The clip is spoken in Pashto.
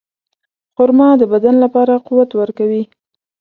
خرما د بدن لپاره قوت ورکوي.